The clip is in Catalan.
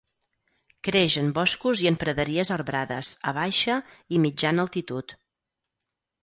Creix en boscos i en praderies arbrades a baixa i mitjana altitud.